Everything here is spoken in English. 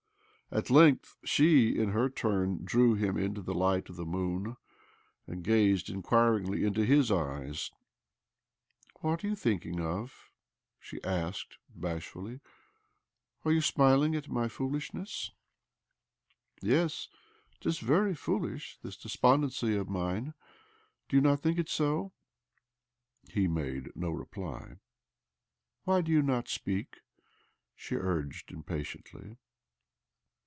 At length she, in her turn, drew him into the light of the moon, and gazed inquiringly into his eyes. 25б OBLOMOV "What are you thinkiag of?" she asked bashfully. " Are you smiling' at my foolish ness? Yes, 'tis very foolish, this despon dency of mine. Do you not think so?" He made no reply. " Why do you not speak ?" she urged impatiently.